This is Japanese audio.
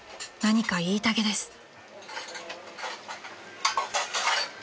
何か言いたげです］